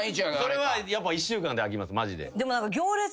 それはやっぱ１週間で飽きますマジで。